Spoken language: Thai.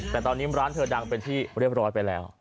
แต่ตอนนี้ร้านเธอดังเป็นที่เรียบร้อยไปแล้ว